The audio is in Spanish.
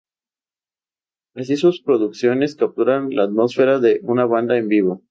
Así sus producciones capturan la atmósfera de una banda en vivo.